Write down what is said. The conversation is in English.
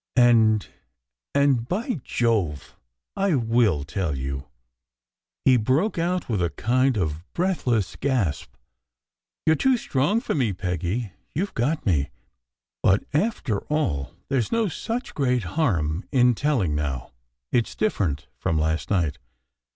And and by Jove! I will tell you," he broke out, with a kind of breathless gasp. "You re too strong for me, Peggy. You ve got me ! But after all, there s no such great harm in telling, now. It s different from last night.